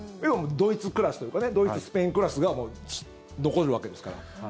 ドイツクラスというかドイツ、スペインクラスが残るわけですから。